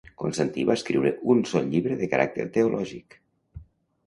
Constantí va escriure un sol llibre de caràcter teològic.